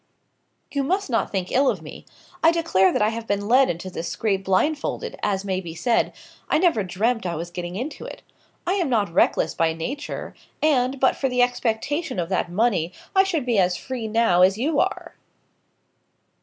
"You must not think ill of me. I declare that I have been led into this scrape blindfolded, as may be said. I never dreamt I was getting into it. I am not reckless by nature; and, but for the expectation of that money, I should be as free now as you are."